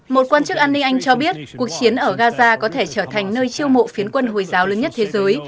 một quan chức an ninh anh cho biết cuộc chiến ở gaza có thể trở thành nơi chiêu mộ phiến quân hồi giáo lớn nhất thế giới